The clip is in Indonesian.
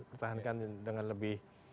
pertahankan dengan lebih